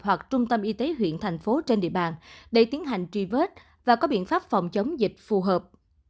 hoặc trung tâm y tế huyện thành phố trên địa bàn để tiến hành truy vết và có biện pháp phòng chống dịch phù hợp